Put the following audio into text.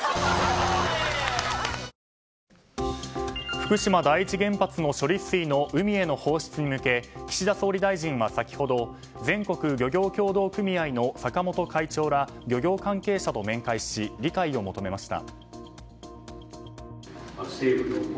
福島第一原発の処理水の海への放出に向け岸田総理大臣は先ほど全国漁業協同組合の坂本会長ら漁業関係者と面会し理解を求めました。